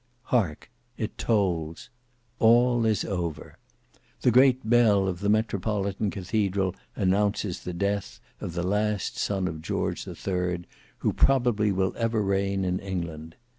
Hark! it tolls! All is over. The great bell of the metropolitan cathedral announces the death of the last son of George the Third who probably will ever reign in England.